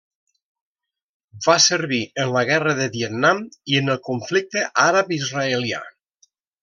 Va servir en la Guerra de Vietnam i en el conflicte àrab-israelià.